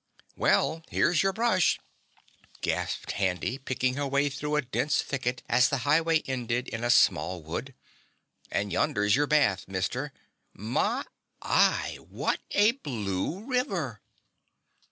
"Well, here's your brush," gasped Handy, picking her way through a dense thicket as the highway ended in a small wood, "and yonder's your bath, Mister. My y, what a blue river!"